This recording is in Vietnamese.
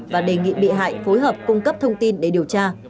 và đề nghị bị hại phối hợp cung cấp thông tin để điều tra